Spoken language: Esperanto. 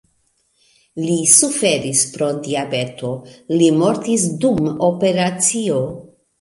Li suferis pro diabeto, li mortis dum operacio.